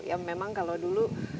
ya memang kalau dulu